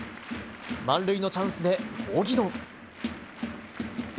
満塁のチャンスで荻野。